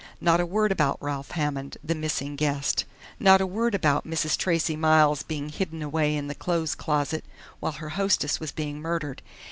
Not a word about Ralph Hammond, the missing guest! Not a word about Mrs. Tracey Miles' being hidden away in the clothes closet while her hostess was being murdered!...